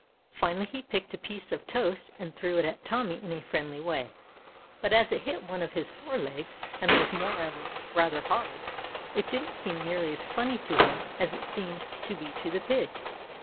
Finally he picked a piece of toast and threw it at Tommy in a friendly way, but as it hit one of his forelegs, and was moreover rather hard, it didn't seem nearly as funny to him as it seemed to be to the Pig.